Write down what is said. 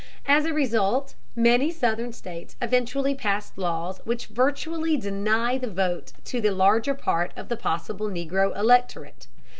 As a result many southern states eventually passed laws which virtually deny the vote to the larger part of the possible Negro electorate.